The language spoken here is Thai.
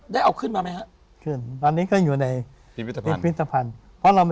ได้เอาขึ้นมาไหมฮะ